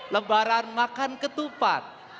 lebaran makan ketupat